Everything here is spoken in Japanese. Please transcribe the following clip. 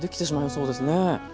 そうですね。